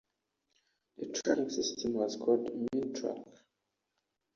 The tracking system was called Minitrack.